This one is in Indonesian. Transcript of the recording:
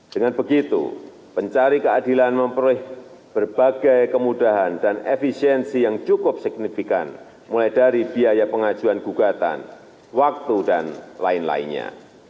dengan begitu pencari keadilan memperoleh berbagai kemudahan dan efisiensi yang cukup signifikan mulai dari biaya pengajuan gugatan waktu dan lain lainnya